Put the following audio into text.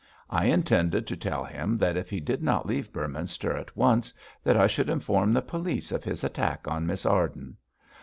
I intended to tell him that if he did not leave Beorminster at once that I should inform the police of his attack on Miss Arden.